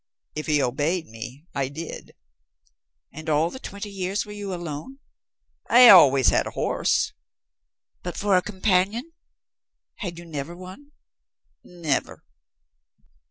"If he obeyed me I did." "And all the twenty years were you alone?" "I always had a horse." "But for a companion had you never one?" "Never."